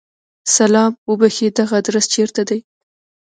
سلام! اوبښئ! دغه ادرس چیرته دی؟